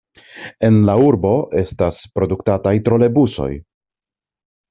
En la urbo estas produktataj trolebusoj.